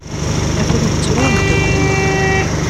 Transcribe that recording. Atan yettru umdakel-iw.